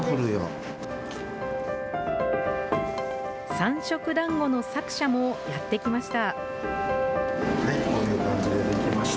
三色だんごの作者もやって来ました。